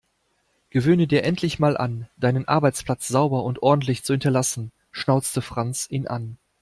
Gewöhne dir endlich mal an, deinen Arbeitsplatz sauber und ordentlich zu hinterlassen, schnauzte Franz ihn an.